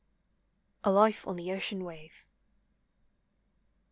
A LIFE ON THE OCEAN WAVE.